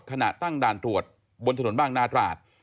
ขณะตั้งด่านตรวจบนถนนบางนาตราด